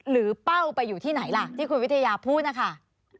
เป้าไปอยู่ที่ไหนล่ะที่คุณวิทยาพูดนะคะ